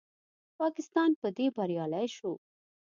پاکستان په دې بریالی شو